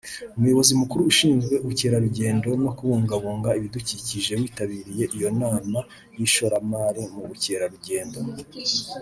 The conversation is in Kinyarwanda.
Umuyobozi Mukuru ushinzwe Ubukerarugendo no Kubungabunga Ibidukikije witabiriye iyo nama y’ishoramari mu bukerarugendo